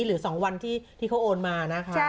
หรือสองวันที่เขาโอนมา